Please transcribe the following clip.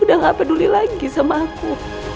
udah gak peduli lagi sama aku